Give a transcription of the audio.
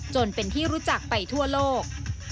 จนเป็นที่รู้จักไปทั่วโลก